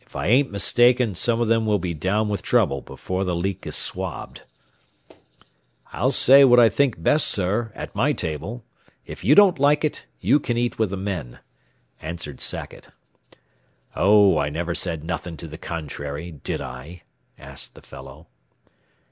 If I ain't mistaken, some of them will be down with trouble before the leak is swabbed." "I'll say what I think best, sir, at my table. If you don't like it, you can eat with the men," answered Sackett. "Oh, I never said nothin' to the contrary, did I?" asked the fellow.